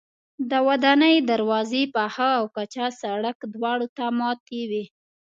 د ودانۍ دروازې پاخه او کچه سړک دواړو ته ماتې وې.